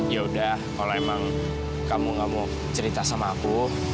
ya udah kalau emang kamu gak mau cerita sama aku